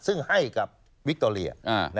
ซึ่งให้กับวิคโตเรีย